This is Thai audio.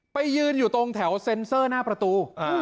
ไปยืนอยู่ตรงแถวเซ็นเซอร์หน้าประตู